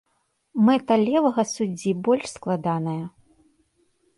Мэта левага суддзі больш складаная.